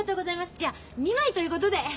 じゃあ２枚ということで。